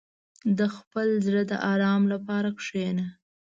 • د خپل زړه د آرام لپاره کښېنه.